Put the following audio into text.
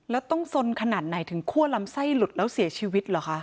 แล้วต้องสนขนาดไหนถึงคั่วลำไส้หลุดแล้วเสียชีวิตเหรอคะ